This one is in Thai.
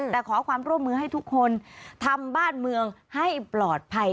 แต่ขอความร่วมมือให้ทุกคนทำบ้านเมืองให้ปลอดภัย